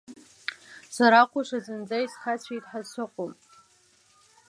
Сарахәаша, зынӡа исхацәеит ҳәа сыҟоуп!